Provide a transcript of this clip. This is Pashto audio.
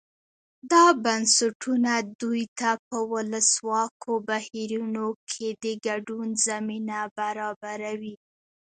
دا بنسټونه دوی ته په ولسواکو بهیرونو کې د ګډون زمینه برابروي.